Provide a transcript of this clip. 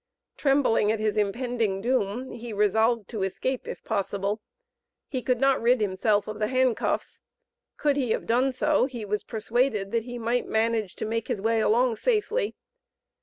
Trembling at his impending doom he resolved to escape if possible. He could not rid himself of the handcuffs. Could he have done so, he was persuaded that he might manage to make his way along safely.